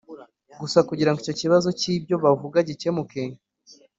gusa kugira ngo icyo kibazo cy ibyo bavuga gikemuke